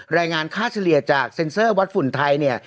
รายงานค่าเฉลี่ยจากเซ็นเซอร์วัดฝุ่นไทยเนี่ย